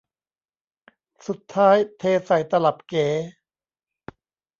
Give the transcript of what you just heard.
สุดท้ายเทใส่ตลับเก๋